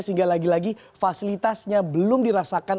sehingga lagi lagi fasilitasnya belum dirasakan